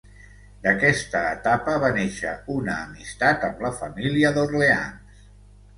D'aquesta etapa va néixer una amistat amb la família d'Orleans.